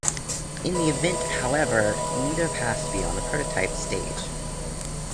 In the event, however, neither passed beyond the prototype stage.